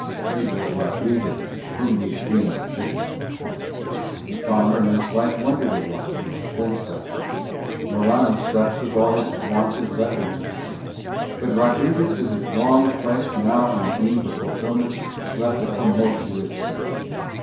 It was Rodriguez whom these dreams visited. The farmer and his wife wondered awhile and then slept; Morano slept with all his wonted lethargy; but Rodriguez with his long quest now on the eve of fulfilment slept a tumultuous sleep.